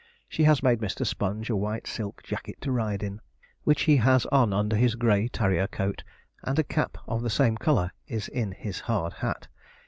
She has made Mr. Sponge a white silk jacket to ride in, which he has on under his grey tarriar coat, and a cap of the same colour is in his hard hat.